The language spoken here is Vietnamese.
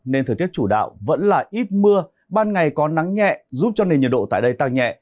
nên thời tiết chủ đạo vẫn là ít mưa ban ngày có nắng nhẹ giúp cho nền nhiệt độ tại đây tăng nhẹ